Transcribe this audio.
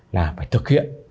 là phải thực hiện